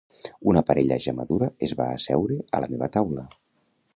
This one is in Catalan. Una parella ja madura es va asseure a la meva taula